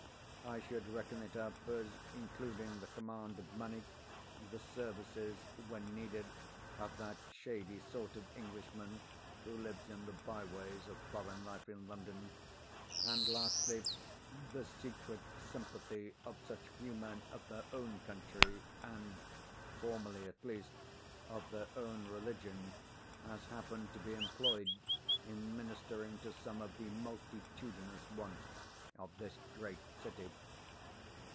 I should reckon it up as including the command of money; the services, when needed, of that shady sort of Englishman, who lives in the byways of foreign life in London; and, lastly, the secret sympathy of such few men of their own country, and (formerly, at least) of their own religion, as happen to be employed in ministering to some of the multitudinous wants of this great city.